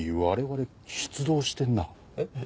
えっ？